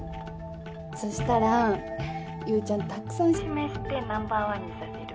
そしたら勇ちゃんたくさん指名してナンバー１にさせる。